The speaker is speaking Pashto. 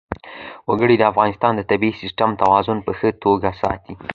وګړي د افغانستان د طبعي سیسټم توازن په ښه توګه ساتي.